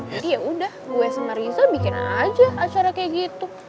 jadi yaudah gue sama riza bikin aja acara kayak gitu